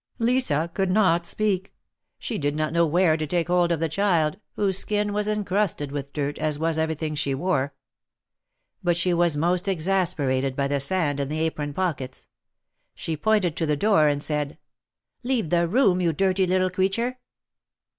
Lisa could not speak. She did not know where to take hold of the child, whose skin was encrusted with dirt, as was everything she wore. But she was most exasperated by the sand in the apron pockets. She pointed to the door and said: " Leave the room, you dirty little creature